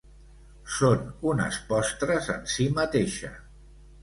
Són unes postres en si mateixa.